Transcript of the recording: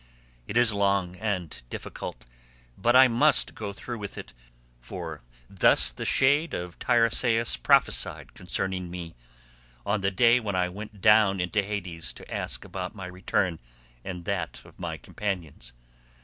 It is long and difficult, but I must go through with it, for thus the shade of Teiresias prophesied concerning me, on the day when I went down into Hades to ask about my return and that of my companions.